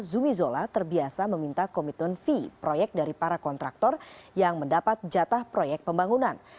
zumi zola terbiasa meminta komitmen fee proyek dari para kontraktor yang mendapat jatah proyek pembangunan